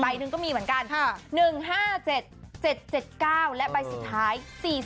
หนึ่งก็มีเหมือนกัน๑๕๗๗๙และใบสุดท้าย๔๔